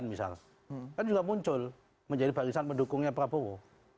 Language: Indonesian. nah itu juga muncul menjadi barisan pendukungnya prabowo